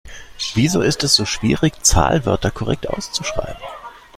Wieso ist es so schwierig, Zahlwörter korrekt auszuschreiben?